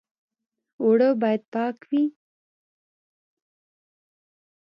اوړه باید پاک وي